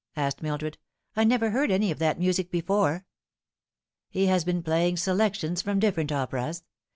asked Mildred ;" I never heard any of that music before." " He has been playing selections from different operas.